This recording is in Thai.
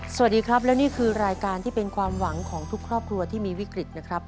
สวัสดีครับและนี่คือรายการที่เป็นความหวังของทุกครอบครัวที่มีวิกฤตนะครับ